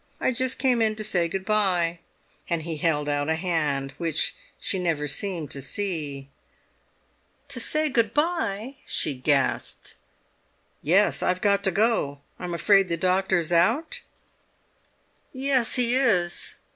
"I just came in to say goodbye." And he held out a hand which she never seemed to see. "To say goodbye!" she gasped. "Yes, I've got to go. I'm afraid the doctor's out?" "Yes, he is.